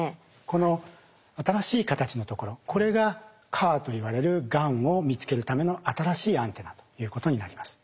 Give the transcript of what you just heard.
この新しい形のところこれが「ＣＡＲ」といわれるがんを見つけるための新しいアンテナということになります。